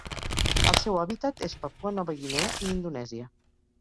El seu hàbitat és Papua Nova Guinea i Indonèsia.